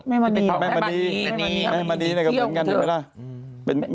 แม่มะนีแม่มะนีแม่มะนีแม่กับผมกันอยู่ไหนล่ะ